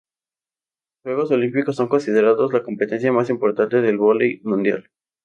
Los Juegos Olímpicos son considerados la competencia más importante del vóley mundial.